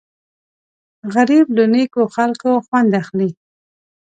غریب له نیکو خلکو خوند اخلي